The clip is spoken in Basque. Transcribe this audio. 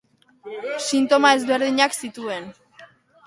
Sintoma ezberdinak zituen.